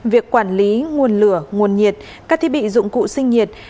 việc quản lý nguồn lửa nguồn nhiệt các thiết bị dụng cụ sinh nhiệt